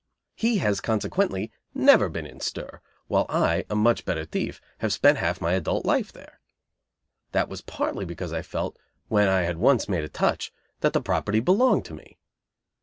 He has, consequently, never been in stir, while I, a much better thief, have spent half of my adult life there. That was partly because I felt, when I had once made a touch, that the property belonged to me.